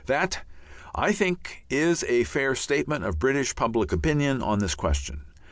... That, I think, is a fair statement of British public opinion on this question.